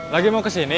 lagi mau kesini